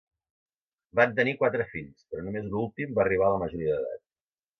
Van tenir quatre fills, però només l'últim va arribar a la majoria d'edat.